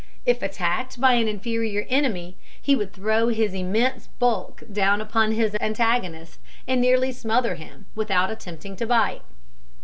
If attacked by an inferior enemy, he would throw his immense bulk down upon his antagonist and nearly smother him, without attempting to bite.